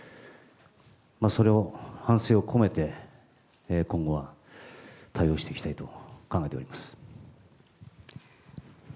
それを反省を込めて、今後は対応していきたいと考えております。